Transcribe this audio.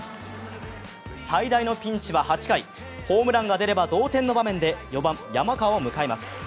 最大のピンチは８回、ホームランが出れば同点の場面で、４番・山川を迎えます